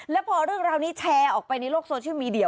แล้วพอเรื่องราวนี้แชร์ออกไปในโลกโซเชียลมีเดีย